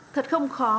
thật không khó